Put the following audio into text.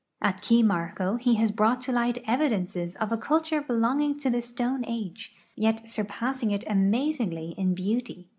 At Key Marco he has brought to light evidences of a culture belonging to the Stone age, yet surpassing it amaz ingly in beauty.